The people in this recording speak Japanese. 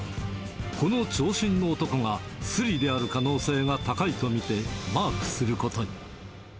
この長身の男が、すりである可能性が高いと見て、マークすることに。